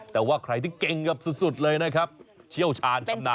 แต่ว่าใครที่เก่งกับสุดเลยนะครับเชี่ยวชาญชำนาญ